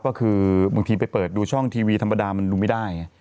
ก็คือบางทีไปเปิดดูช่องทีวีธรรมดามันดูไม่ได้ไง